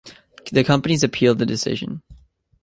The companies appealled the decision.